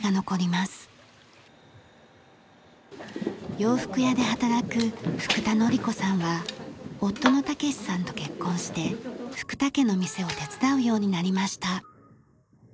洋服屋で働く福田のりこさんは夫の武史さんと結婚して福田家の店を手伝うようになりました。